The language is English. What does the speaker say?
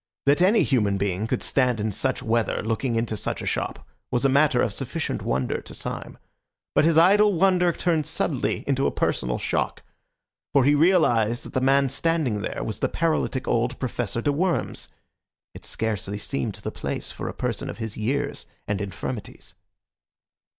That any human being should stand in such weather looking into such a shop was a matter of sufficient wonder to Syme; but his idle wonder turned suddenly into a personal shock; for he realised that the man standing there was the paralytic old Professor de Worms. It scarcely seemed the place for a person of his years and infirmities.